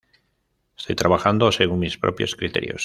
Estoy trabajando según mis propios criterios.